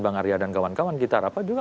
bang arya dan kawan kawan kita rapat juga